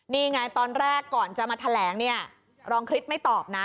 นี่ไงตอนแรกก่อนจะมาแถลงเนี่ยรองคริสไม่ตอบนะ